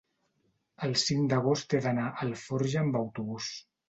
el cinc d'agost he d'anar a Alforja amb autobús.